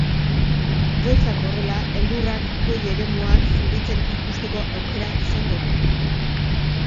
Gauzak horrela, elurrak goi eremuak zuritzen ikusteko aukera izango dugu.